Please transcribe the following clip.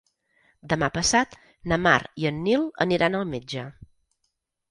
Demà passat na Mar i en Nil aniran al metge.